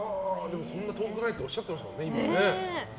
そんな遠くないっておっしゃってましたもんね。